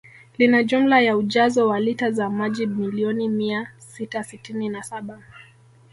Lina jumla ya ujazo wa lita za maji milioni mia sita sitini na saba